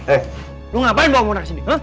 eh lu ngapain bawa mona kesini